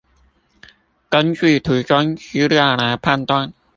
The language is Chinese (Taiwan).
根據圖中資料來判斷